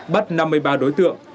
bắt năm mươi ba đối tượng